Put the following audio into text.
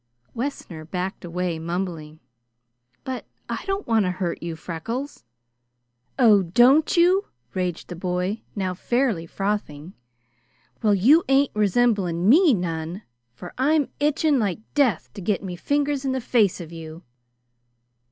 Wessner backed away, mumbling, "But I don't want to hurt you, Freckles!" "Oh, don't you!" raged the boy, now fairly frothing. "Well, you ain't resembling me none, for I'm itching like death to git me fingers in the face of you."